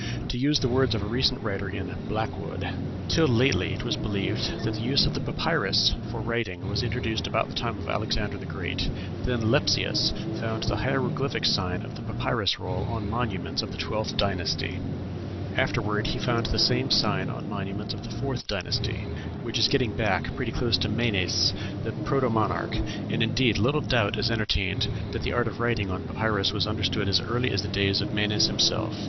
To use the words of a recent writer in Blackwood, "Till lately it was believed that the use of the papyrus for writing was introduced about the time of Alexander the Great; then Lepsius found the hieroglyphic sign of the papyrus roll on monuments of the twelfth dynasty; afterward he found the same sign on monuments of the fourth dynasty, which is getting back pretty close to Menes, the protomonarch; and, indeed, little doubt is entertained that the art of writing on papyrus was understood as early as the days of Menes himself.